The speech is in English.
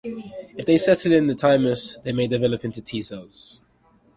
If they settle in the thymus, they may develop into T cells.